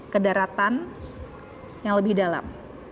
kedaratan yang lebih dalam